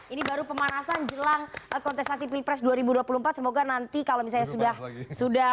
ini baru pemanasan jelang kontestasi pilpres dua ribu dua puluh empat semoga nanti kalau misalnya sudah